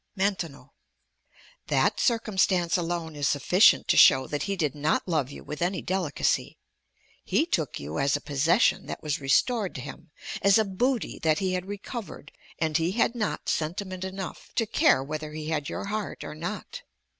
Maintenon That circumstance alone is sufficient to show that he did not love you with any delicacy. He took you as a possession that was restored to him, as a booty that he had recovered; and he had not sentiment enough to care whether he had your heart or not.